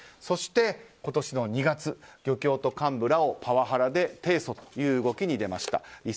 そして今年の２月漁協と幹部らをパワハラで提訴という動きに出ました。